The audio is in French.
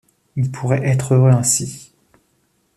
Ils pourraient être heureux ainsi.